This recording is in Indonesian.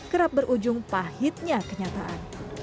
kerap berujung pahitnya kenyataan